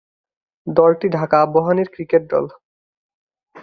দলটি ঢাকা আবাহনীর ক্রিকেট দল।